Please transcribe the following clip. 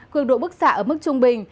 cương độ bức xạ ở mức trung bình